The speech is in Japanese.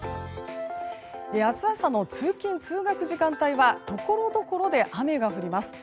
明日朝の通勤・通学時間帯はところどころで雨が降ります。